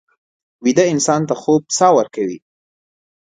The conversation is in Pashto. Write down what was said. ویده انسان ته خوب ساه ورکوي